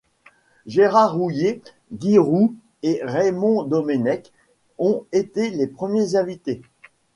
Gérard Houllier, Guy Roux et Raymond Domenech ont été les premiers invités.